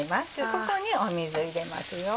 ここに水入れますよ。